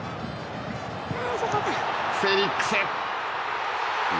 フェリックス。